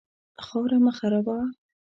خاوره مه خرابوه.